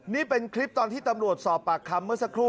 นี่เป็นคลิปตอนที่ตำรวจสอบปากคำเมื่อสักครู่